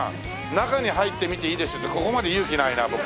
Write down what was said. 「中に入って見ていいですよ」ってここまで勇気ないな僕も。